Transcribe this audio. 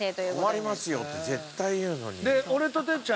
困りますよって絶対言うのに。